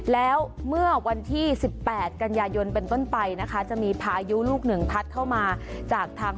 แล้วเมื่อวันที่๑๘กันยายนเป็นต้นไปนะคะจะมีพายุลูกหนึ่งพัดเข้ามาจากทาง